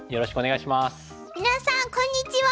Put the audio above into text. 皆さんこんにちは。